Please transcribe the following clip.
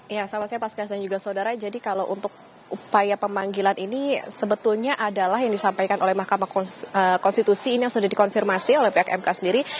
ya selamat siang pak skeas dan juga saudara jadi kalau untuk upaya pemanggilan ini sebetulnya adalah yang disampaikan oleh mahkamah konstitusi ini yang sudah dikonfirmasi oleh pihak mk sendiri